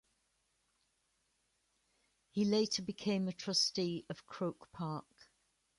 He later became a trustee of Croke Park.